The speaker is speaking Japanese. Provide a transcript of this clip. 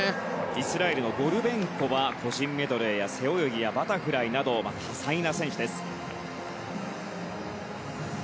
イスラエルのゴルベンゴは個人メドレーや背泳ぎバタフライなど多彩な選手です。